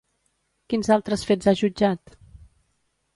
Quins altres fets ha jutjat?